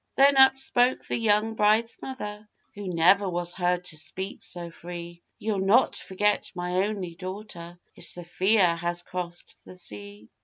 Then up spoke the young bride's mother, Who never was heard to speak so free, 'You'll not forget my only daughter, If Sophia has crossed the sea.